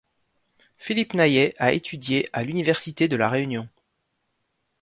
Philippe Naillet a étudié à l'université de La Réunion.